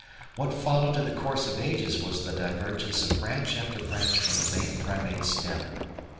What followed in the course of ages was the divergence of branch after branch from the main Primate stem.